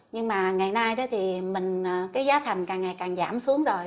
nhưng mà ngày nay thì giá thành càng ngày càng giảm xuống rồi